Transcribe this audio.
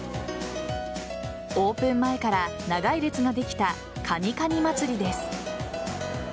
オープン前から長い列ができたカニカニまつりです。